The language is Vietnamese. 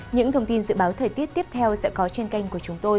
những thông tin dự báo thời tiết tiếp theo sẽ có trên kênh của chúng tôi